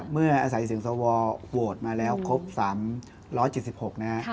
เมื่ออาศัยเสียงสวโหวตมาแล้วครบ๓๗๖นะฮะ